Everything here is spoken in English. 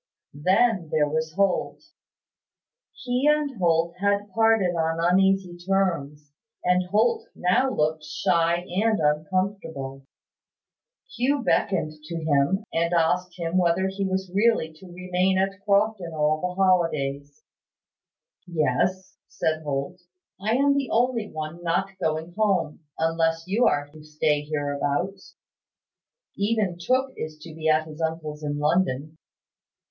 Then there was Holt. He and Holt had parted on uneasy terms; and Holt now looked shy and uncomfortable. Hugh beckoned to him, and asked him whether he was really to remain at Crofton all the holidays. "Yes," said Holt. "I am the only one not going home, unless you are to stay hereabouts. Even Tooke is to be at his uncle's in London.